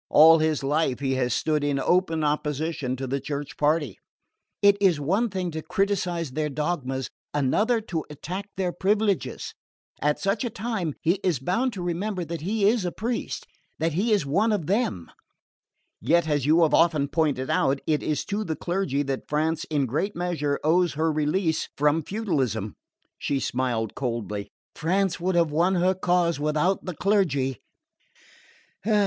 "All his life he has stood in open opposition to the Church party." "It is one thing to criticise their dogmas, another to attack their privileges. At such a time he is bound to remember that he is a priest that he is one of them." "Yet, as you have often pointed out, it is to the clergy that France in great measure owes her release from feudalism." She smiled coldly. "France would have won her cause without the clergy!"